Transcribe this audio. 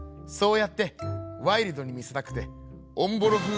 「そうやってワイルドにみせたくておんぼろ